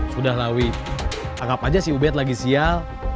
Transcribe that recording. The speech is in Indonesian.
sudahlah wi anggap aja si ubed lagi sial